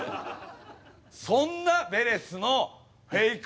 そんなヴェレスのフェイク